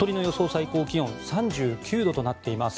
最高気温３９度となっています。